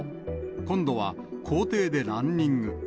今度は校庭でランニング。